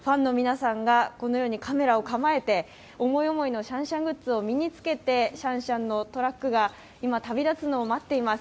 このようにカメラを構えて思い思いのシャンシャングッズを身に着けてシャンシャンのトラックが今、旅立つのを待っています。